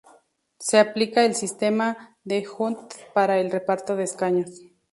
Se aplica el sistema D'Hondt para el reparto de escaños.